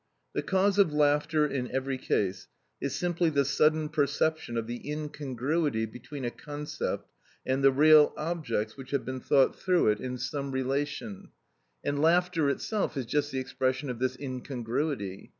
The cause of laughter in every case is simply the sudden perception of the incongruity between a concept and the real objects which have been thought through it in some relation, and laughter itself is just the expression of this incongruity.